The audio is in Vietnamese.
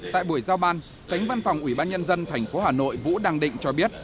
tại buổi giao ban tránh văn phòng ubnd tp hà nội vũ đăng định cho biết